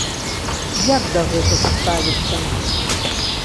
Як да гэтага ставіцца?